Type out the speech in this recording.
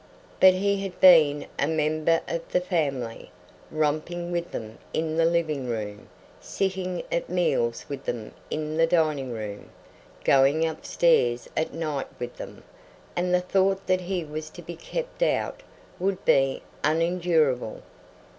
But he had been a member of the family, romping with them in the living room, sitting at meals with them in the dining room, going upstairs at night with them, and the thought that he was to be "kept out" would be unendurable.